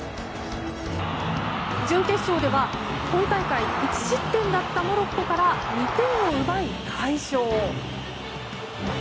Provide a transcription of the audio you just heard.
準決勝では今大会１失点だったモロッコから２点を奪い快勝。